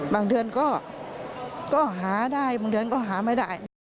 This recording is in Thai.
บางเดือนก็หาได้บางเดือนก็หาไม่ได้